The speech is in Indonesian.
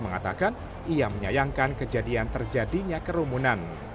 mengatakan ia menyayangkan kejadian terjadinya kerumunan